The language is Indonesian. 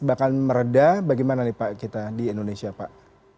bahkan meredah bagaimana nih pak kita di indonesia pak